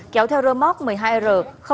kéo theo rơ móc một mươi hai r sáu trăm linh hai